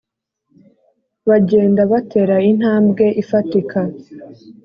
bagenda batera intambwe ifatika